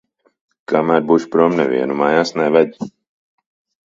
Kamēr būšu prom, nevienu mājās neved.